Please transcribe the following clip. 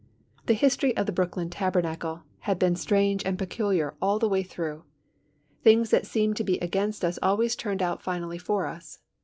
The history of the Brooklyn Tabernacle had been strange and peculiar all the way through. Things that seemed to be against us always turned out finally for us.